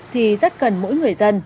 thì rất cần mỗi người dân